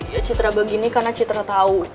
ya citra begini karena citra tahu